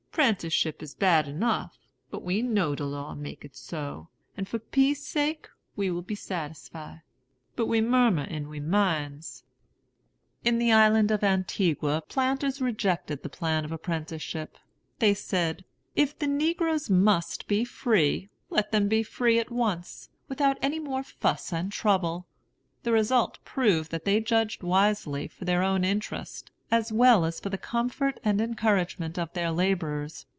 'Prenticeship is bad enough; but we know de law make it so, and for peace' sake we will be satisfy. But we murmur in we minds." In the island of Antigua, planters rejected the plan of apprenticeship. They said, "If the negroes must be free, let them be free at once, without any more fuss and trouble." The result proved that they judged wisely for their own interest, as well as for the comfort and encouragement of their laborers.